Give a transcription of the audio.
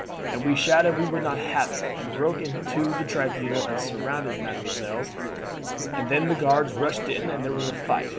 And we shouted we would not have it, and broke into the Tribunal and surrounded mesdemoiselles, and then the guards rushed in and there was a fight.